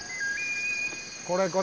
これこれ。